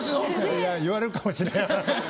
言われるかもしれない。